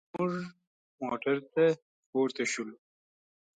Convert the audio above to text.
موږ موټر ته پورته شولو.